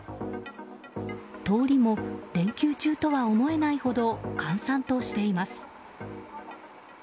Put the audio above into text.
通りも連休中とは思えないほど閑散としています。